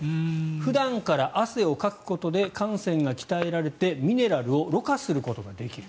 普段から汗をかくことで汗腺が鍛えられてミネラルをろ過することができる。